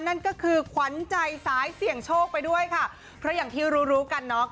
นั่นก็คือขวัญใจสายเสี่ยงโชคไปด้วยค่ะเพราะอย่างที่รู้รู้กันเนาะ